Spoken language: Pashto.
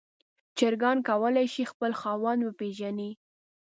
چرګان کولی شي خپل خاوند وپیژني.